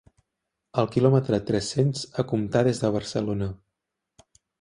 El quilòmetre tres-cents a comptar des de Barcelona.